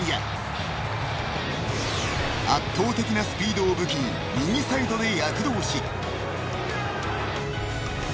［圧倒的なスピードを武器に右サイドで躍動し］